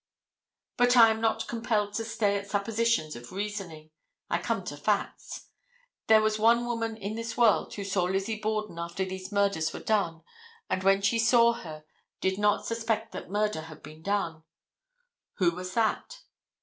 But I am not compelled to stay at suppositions of reasoning: I come to facts. There was one woman in this world who saw Lizzie Borden after these murders were done, and when she saw her did not suspect that murder had been done. Who was that?